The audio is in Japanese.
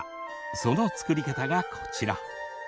その作り方がこちら。